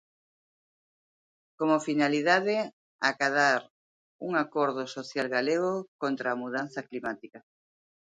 Como finalidade, acadar un acordo social galego contra a mudanza climática.